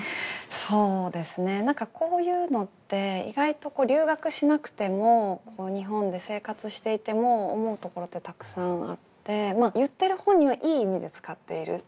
そうですね何かこういうのって意外と留学しなくても日本で生活していても思うところってたくさんあって言ってる本人は良い意味で使ってる常に。